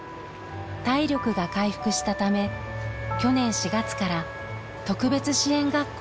体力が回復したため去年４月から特別支援学校に通うことに。